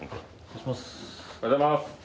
おはようございます！